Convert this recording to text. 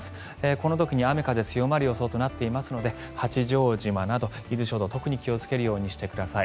この時に雨風強まる予想となっていますので八丈島など伊豆諸島、特に気をつけるようにしてください。